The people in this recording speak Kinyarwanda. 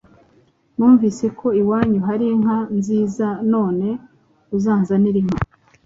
Numvise ko iwanyu hari inka nziza none uzanzanire inka